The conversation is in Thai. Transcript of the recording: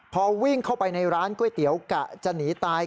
พอวิ่งเข้าไปในร้านก๋วยเตี๋ยวกะจะหนีตาย